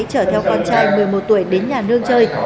chở theo con trai một mươi một tuổi đến nhà nương chơi